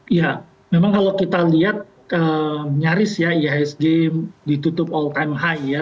iya memang kalau kita lihat nyaris ya ihsg ditutup all time high ya